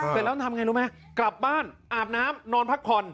เสร็จแล้วทำไงรู้ไหมกลับบ้านอาบน้ำนอนพักผ่อน